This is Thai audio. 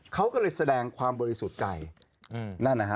เขาก็เลยแสดงความบริสุทธิ์ใจนั่นนะฮะ